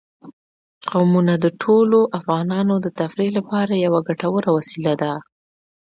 قومونه د ټولو افغانانو د تفریح لپاره یوه ګټوره وسیله ده.